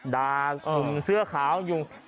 ดาเสื้อขาวอยู่